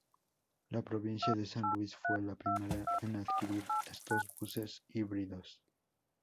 La provincia de San Luis fue la primera en adquirir estos buses híbridos.